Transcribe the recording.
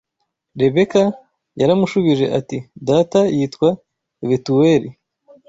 Rebeka yaramushubije ati data yitwa Betuweli